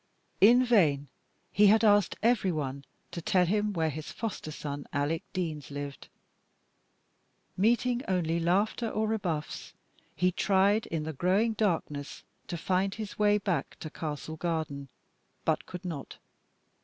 In vain he had asked every one to tell him where his foster son Alec Deans lived. Meeting only laughter or rebuffs, he tried in the growing darkness to find his way back to Castle Garden, but could not.